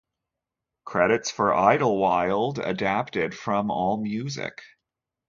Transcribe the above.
Credits for "Idlewild" adapted from Allmusic.